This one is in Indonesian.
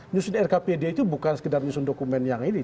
nyusun rkpd itu bukan sekedar nyusun dokumen yang ini